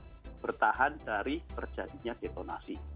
bahan bakar untuk bertahan dari terjadinya detonasi